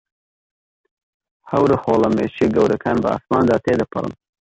هەورە خۆڵەمێشییە گەورەکان بە ئاسماندا تێدەپەڕن.